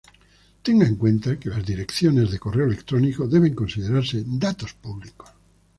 Tenga en cuenta que las direcciones de correo electrónico deben considerarse datos públicos.